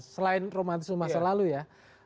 selain romantisme masa lalu ya